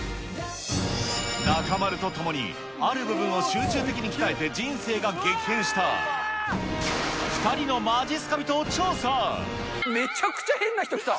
中丸とともに、ある部分を集中的に鍛えて人生が激変した２人のまじっすか人を調めちゃくちゃ変な人来た。